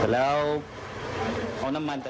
แล้วเอาน้ำมันไป